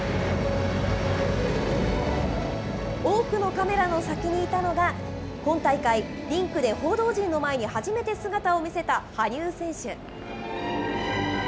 多くのカメラの先にいたのが、今大会、リンクで報道陣の前に初めて姿を見せた羽生選手。